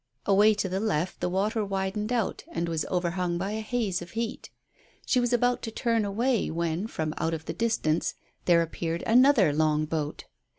Away to the left the water widened out, and was overhung by a haze of heat. She was about to turn away when, from out of the distance, there appeared another long boat.